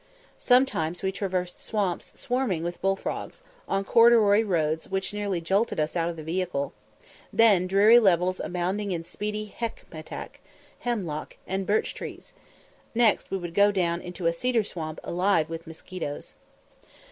Sometimes we traversed swamps swarming with bullfrogs, on corduroy roads which nearly jolted us out of the vehicle, then dreary levels abounding in spindly hacmetac, hemlock, and birch trees; next we would go down into a cedar swamp alive with mosquitoes.